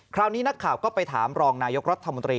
คราวนี้นักข่าวก็ไปถามรองนายกรัฐมนตรี